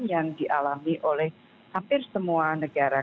yang dialami oleh hampir semua negara